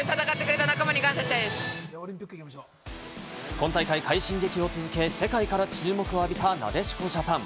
今大会、快進撃を続け、世界から注目を浴びた、なでしこジャパン。